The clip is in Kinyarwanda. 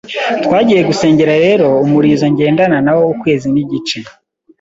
twagiye gusenga rero umurizo ngendana na wo ukwezi n’igice